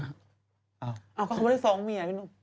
ก็คำว่าได้๒เมีย